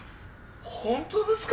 本当ですか！？